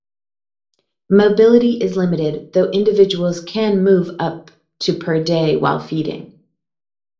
Mobility is limited, though individuals can move up to per day while feeding.